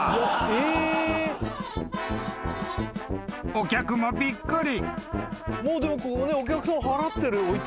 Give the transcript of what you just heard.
［お客もびっくり］